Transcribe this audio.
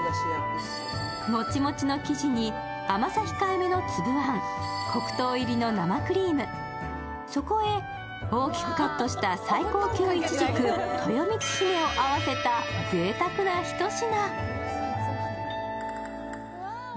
もちもちの生地に甘さ控えめのつぶあん、黒糖入りの生クリーム、そこへ大きくカットした最高級いちじく、とよみつひめを合わせたぜいたくな一品。